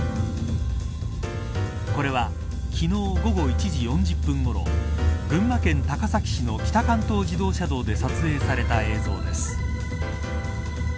これは昨日、午後１時４０分ごろ群馬県高崎市の北関東自動車道で撮影された映像です。